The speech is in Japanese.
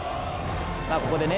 さあここでね